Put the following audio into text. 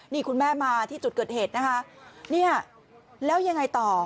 นี่คุณแม่มาที่จุดเกิดเหตุนะคะเนี่ยแล้วยังไงต่อ